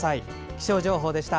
気象情報でした。